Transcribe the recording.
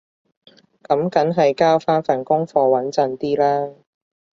噉梗係交返份功課穩陣啲啦